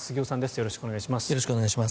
よろしくお願いします。